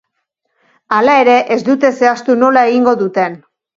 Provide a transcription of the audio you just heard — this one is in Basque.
Hala ere, ez dute zehaztu nola egingo duten.